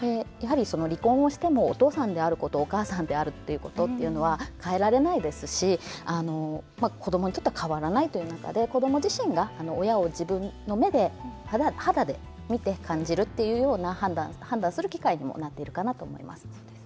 離婚をしてもお父さんであることお母さんであるっていうことは変えられないですし子どもにとっては変わらないという中で子ども自身が、親を自分の目で肌で見て感じるっていうような判断する機会にもなっているかなと思います。